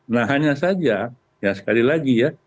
nah hanya saja ya sekali lagi ya